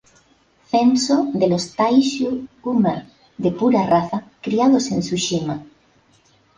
Censo de los Taishū-uma de pura raza criados en Tsushima